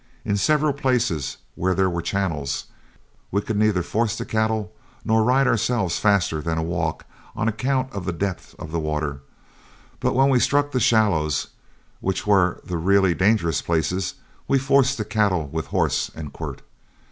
In several places where there were channels, we could neither force the cattle nor ride ourselves faster than a walk on account of the depth of the water, but when we struck the shallows, which were the really dangerous places, we forced the cattle with horse and quirt.